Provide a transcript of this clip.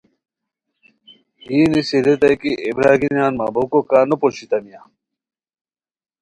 یی نیسی ریتائے کی اے برارگینیان مہ بوکو کا نو پوشیتامیا؟